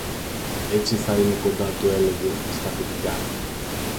Έτσι θα είμαι κοντά του, έλεγε στ' αφεντικά